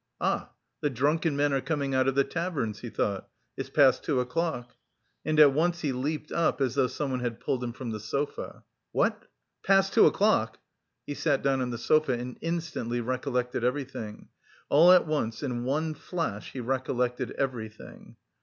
"Ah! the drunken men are coming out of the taverns," he thought, "it's past two o'clock," and at once he leaped up, as though someone had pulled him from the sofa. "What! Past two o'clock!" He sat down on the sofa and instantly recollected everything! All at once, in one flash, he recollected everything.